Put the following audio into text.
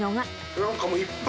なんかもう、いっぱい。